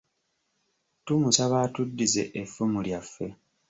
Tumusaba atuddize effumu lyaffe.